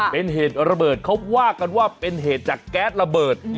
เป็นเหตุระเบิดเขาว่ากันว่าเป็นเหตุจากแก๊สระเบิด